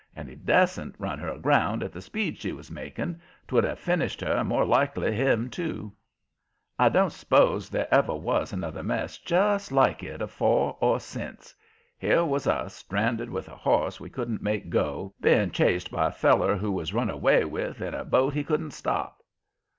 And he dastn't run her aground at the speed she was making; 'twould have finished her and, more'n likely, him, too. I don't s'pose there ever was another mess just like it afore or sence. Here was us, stranded with a horse we couldn't make go, being chased by a feller who was run away with in a boat he couldn't stop!